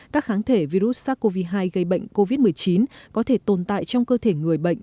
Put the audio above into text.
các kháng thể virus sars cov hai gây bệnh covid một mươi chín có thể tồn tại trong cơ thể người bệnh